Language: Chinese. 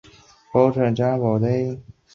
卜睿哲。